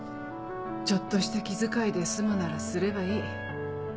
ちょっとした気遣いで済むならすればいい。